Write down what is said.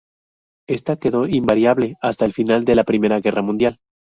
Ésta quedó invariable hasta el final de la Primera Guerra Mundial.